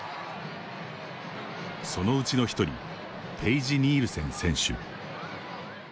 そのうちの１人ペイジ・ニールセン選手。